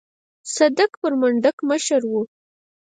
صدک پر منډک مشر و.